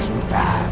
aku akan menemukanmu